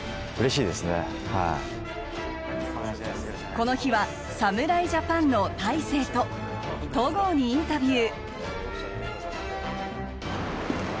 この日は侍ジャパンの大勢と戸郷にインタビュー。